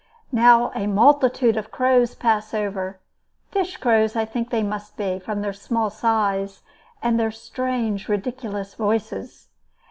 Now a multitude of crows pass over; fish crows, I think they must be, from their small size and their strange, ridiculous voices.